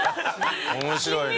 面白いね。